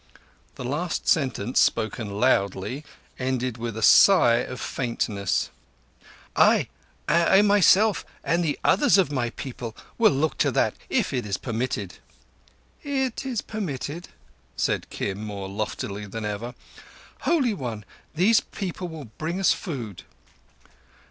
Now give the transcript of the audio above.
The last sentence, spoken loudly, ended with a sigh as of faintness. "I—I myself and the others of my people will look to that—if it is permitted." "It is permitted," said Kim, more loftily than ever. "Holy One, these people will bring us food."